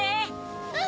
うん！